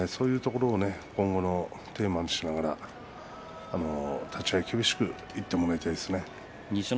そういうところをこのテーマにしながら立ち合い厳しくやってもらいたいですね。